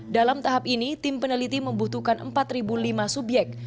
dalam tahap ini tim peneliti membutuhkan empat lima subyek